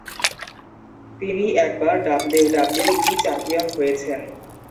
তিনি একবার WWE champion হয়েছেন।